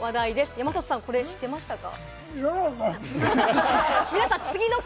山里さん、知ってましたか？